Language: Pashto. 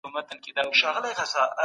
کارپوهانو به سوداګریزي لاري خلاصولې.